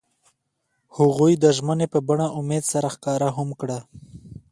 هغوی د ژمنې په بڼه امید سره ښکاره هم کړه.